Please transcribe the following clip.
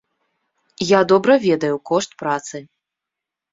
Я добра ведаю кошт працы.